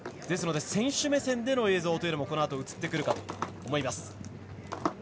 ですから選手目線での映像もこのあと映ってくるかと思います。